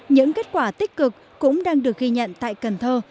những kết quả tích cực cũng đang được ghi nhận tại cần thơ